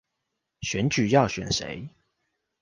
選舉要選誰